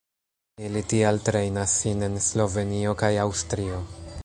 Ili tial trejnas sin en Slovenio kaj Aŭstrio.